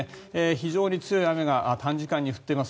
非常に強い雨が短時間に降っています。